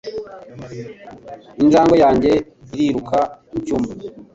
Injangwe yanjye iriruka mucyumba. .